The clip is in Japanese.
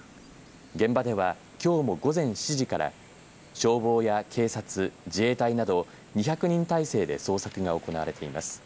現場では、きょうも午前７時から消防や警察、自衛隊など２００人態勢で捜索が行われています。